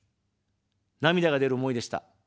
涙が出る思いでした。